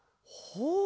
ほう。